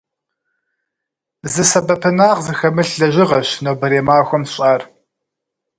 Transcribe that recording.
Зы сэбэпынагъ зыхэмылъ лэжьыгъэщ нобэрей махуэм сщӏар.